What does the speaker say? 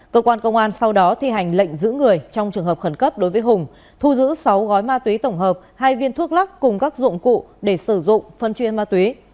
cơ quan công an sau đó thi hành lệnh giữ người trong trường hợp khẩn cấp đối với hùng thu giữ sáu gói ma túy tổng hợp hai viên thuốc lắc cùng các dụng cụ để sử dụng phân chuyên ma túy